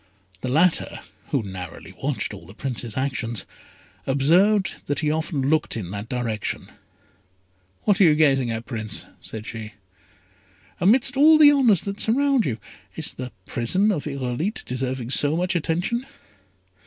The latter, who narrowly watched all the Prince's actions, observed that he often looked in that direction. "What are you gazing at, Prince?" said she. "Amidst all the honours that surround you, is the prison of Irolite deserving so much attention?"